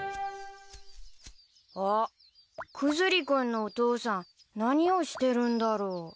あっクズリ君のお父さん何をしてるんだろう？